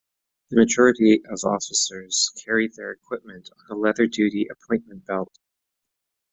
The majority of officers carry their equipment on a leather duty appointment belt.